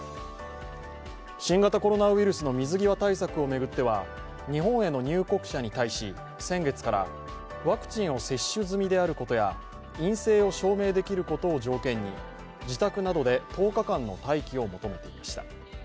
新型コロナウイルスの水際対策を巡っては日本への入国者に対し先月からワクチンを接種済みであることや、陰性を証明できることを条件に自宅などで１０日間の待機を求めていました。